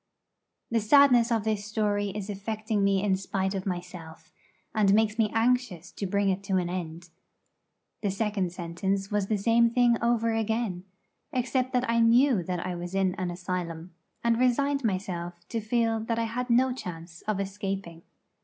The sadness of this story is affecting me in spite of myself, and makes me anxious to bring it to an end. The second sentence was the same thing over again, except that I knew that I was in an asylum, and resigned myself to feel that I had no chance of escaping.